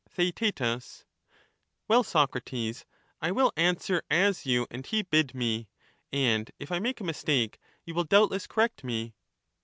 TheaeU Well, Socrates, I will answer as you and he bid me ; and if I make a mistake, you will doubtless correct me.